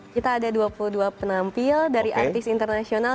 kita ada dua puluh dua penampil dari artis internasional